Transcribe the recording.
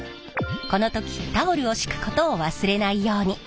この時タオルを敷くことを忘れないように！